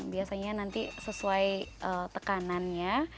biasanya nanti sesuai tekanannya